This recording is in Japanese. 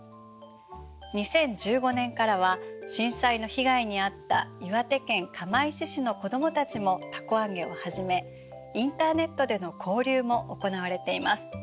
２０１５年からは震災の被害に遭った岩手県釜石市の子供たちもたこ揚げを始めインターネットでの交流も行われています。